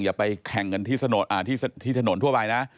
อย่าไปแข่งกันที่ถนนทั่วไปนะ